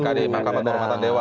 mkd mahkamah penghormatan dewa